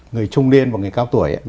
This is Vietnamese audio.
người trung niên và người cao tuổi